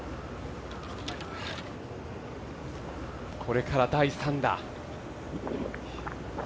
これから第３打。